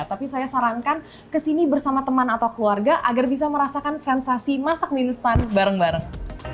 tapi saya sarankan kesini bersama teman atau keluarga agar bisa merasakan sensasi masak mie instan bareng bareng